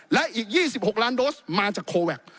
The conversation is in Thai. และอีก๒๖ล้านโดสมาจากโคแวค